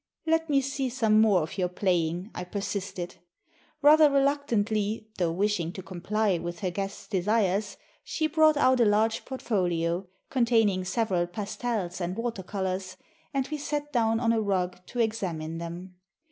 "Let me see some more of your playing," I persisted. Rather reluctantly, though wishing to comply with her guest's desires, she brought out a large portfolio, con taining several pastels and water colors, and we sat down on a rug to examine them.